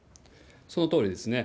そのとおりですね。